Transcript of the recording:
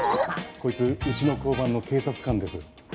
こいつうちの交番の警察官です。